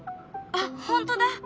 あっ本当だ！